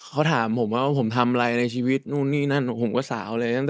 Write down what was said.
เขาถามผมว่าผมทำอะไรในชีวิตนู่นนี่นั่นผมก็สาวเลย